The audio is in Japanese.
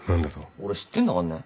俺知ってんだかんね。